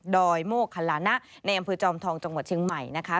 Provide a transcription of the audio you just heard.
อยโมกคลานะในอำเภอจอมทองจังหวัดเชียงใหม่นะคะ